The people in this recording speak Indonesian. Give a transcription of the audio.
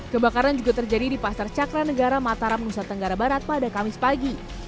kebakaran juga terjadi di pasar cakra negara mataram nusa tenggara barat pada kamis pagi